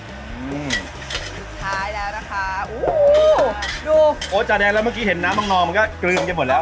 อืมท้ายแล้วนะคะอู้ดูโอ๊ยจ่าแดงแล้วเมื่อกี้เห็นน้ำมังนองมันก็เกลือมไปหมดแล้ว